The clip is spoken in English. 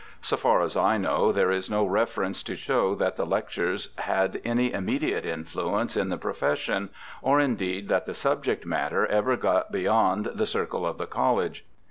So far as I know there is no reference to show that the lectures had any immediate influence in the profession, or indeed that the subject matter ever got be3^ond the circle of the college.